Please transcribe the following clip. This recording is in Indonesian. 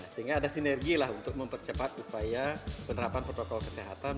sehingga ada sinergilah untuk mempercepat upaya penerapan protokol kesehatan